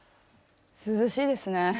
涼しいですね。